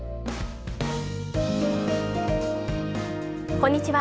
こんにちは。